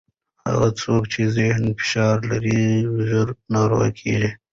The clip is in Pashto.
هغه څوک چې ذهني فشار لري، ژر ناروغه کېږي.